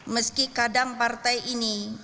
meski kadang partai ini